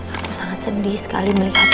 aku sangat sedih sekali melihat